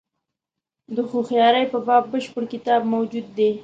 د هوښیاري په باب بشپړ کتاب موجود دی.